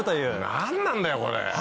何なんだよこれ。